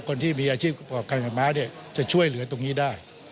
คนที่มีอาชีพประกอบการกับม้าเนี่ยจะช่วยเหลือตรงนี้ได้